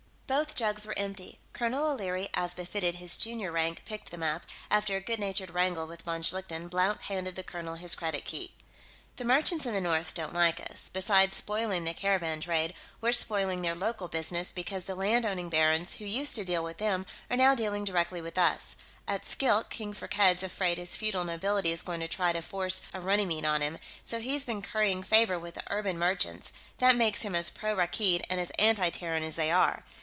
Both jugs were empty. Colonel O'Leary, as befitted his junior rank, picked them up; after a good natured wrangle with von Schlichten, Blount handed the colonel his credit key. "The merchants in the north don't like us; beside spoiling the caravan trade, we're spoiling their local business, because the land owning barons, who used to deal with them, are now dealing directly with us. At Skilk, King Firkked's afraid his feudal nobility is going to try to force a Runnymede on him, so he's been currying favor with the urban merchants; that makes him as pro Rakkeed and as anti Terran as they are.